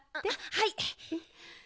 はい。